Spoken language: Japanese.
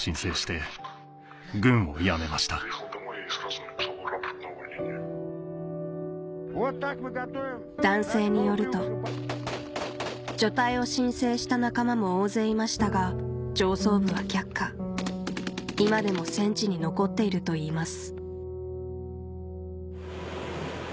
そんな彼が戦地で見たのは男性によると除隊を申請した仲間も大勢いましたが上層部は却下今でも戦地に残っているといいます